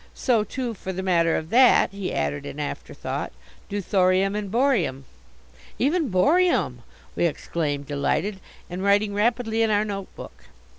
So, too, for the matter of that," he added in afterthought, "do thorium, and borium!" "Even borium!" we exclaimed, delighted, and writing rapidly in our notebook.